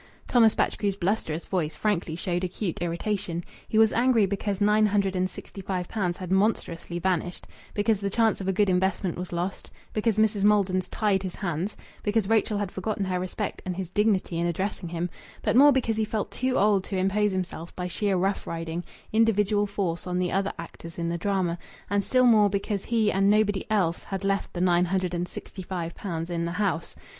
Thomas Batchgrew's blusterous voice frankly showed acute irritation. He was angry because nine hundred and sixty five pounds had monstrously vanished, because the chance of a good investment was lost, because Mrs. Maldon tied his hands, because Rachel had forgotten her respect and his dignity in addressing him; but more because he felt too old to impose himself by sheer rough riding, individual force on the other actors in the drama, and still more because he, and nobody else, had left the nine hundred and sixty five pounds in the house.